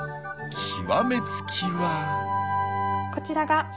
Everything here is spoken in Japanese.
極め付きは。